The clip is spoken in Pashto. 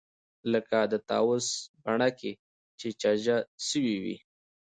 لکه د طاووس بڼکې چې چجه سوې وي.